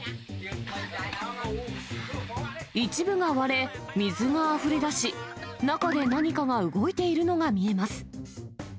一部が割れ、水があふれだし、中で何かが動いているのが見えます。